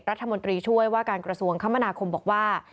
รัฐมนตรีช่วยว่าการกระทรวงคมนาคมบอกว่า